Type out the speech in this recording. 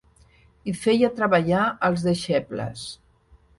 Hi feia treballar els deixebles